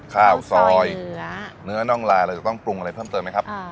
ข้าวซอยเนื้อน่องลายเราจะต้องปรุงอะไรเพิ่มเติมไหมครับ